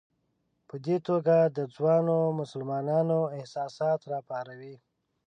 په دې توګه د ځوانو مسلمانانو احساسات راپاروي.